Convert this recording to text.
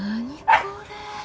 これ。